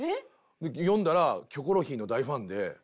読んだら『キョコロヒー』の大ファンで。